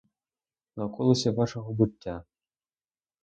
На околиці вашого буття.